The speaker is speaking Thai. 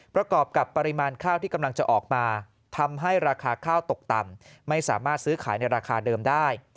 ประกอบกับปริมาณข้าวที่กำลังจะออกมาทำให้ราคาข้าวตกต่ำไม่สามารถซื้อขายในราคาเดิมได้